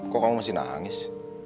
kok kamu masih nangis